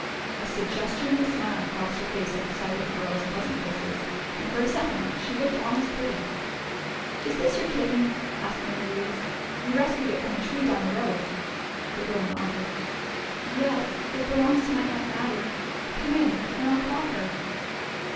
A suggestion of a smile crossed her face at the sight of the girls' pleasant faces, and for a second she looked almost pretty. "Is this your kitten?" asked Mary Louise. "We rescued it from a tree down the road." The girl nodded. "Yes. It belongs to my aunt Mattie. Come in, and I'll call her."